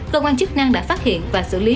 cơ quan chức năng đã phát hiện và xử lý